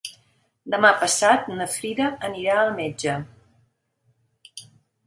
Demà passat na Frida anirà al metge.